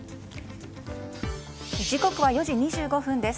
時刻は４時２５分です。